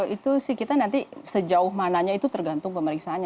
itu sih kita nanti sejauh mananya itu tergantung pemeriksaannya